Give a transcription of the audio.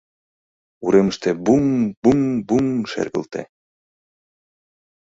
Уремыште буҥ-буҥ-буҥ! шергылте.